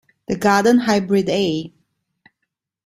The garden hybrid A.